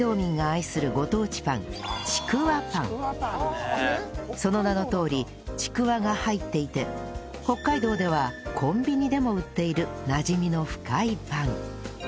まずはその名のとおりちくわが入っていて北海道ではコンビニでも売っているなじみの深いパン